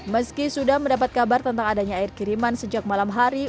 meski sudah mendapat kabar tentang adanya air kiriman sejak malam hari